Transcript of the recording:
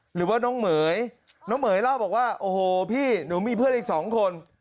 หรือว่าน้องเหม๋ยน้องเหม๋ยเล่าบอกว่าโอ้โหพี่หนูมีเพื่อนอีกสองคน